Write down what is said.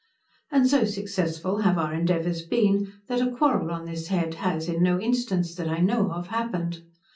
And so successful have our endeavours been, that a quarrel on this head has in no instance, that I know of, happened.